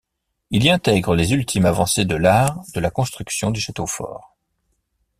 Il y intègre les ultimes avancées de l'art de la construction des châteaux forts.